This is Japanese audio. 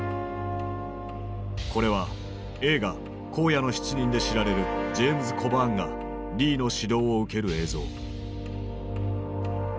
これは映画「荒野の七人」で知られるジェームズ・コバーンがリーの指導を受ける映像。